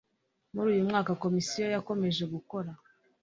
Muri uyu mwaka Komisiyo yakomeje gukora